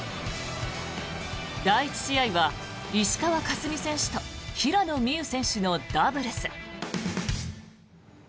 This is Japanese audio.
第１試合は、石川佳純選手と平野美宇選手のダブルス。